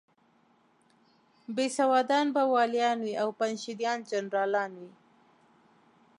بېسوادان به والیان وي او پنجشیریان جنرالان وي.